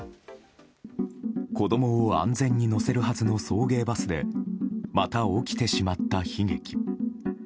子供を安全に乗せるはずの送迎バスでまた起きてしまった悲劇。